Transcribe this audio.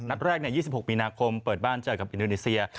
นัดแรก๒๖มีนาคมเปิดบ้านเจอกับอินโดนีเซีย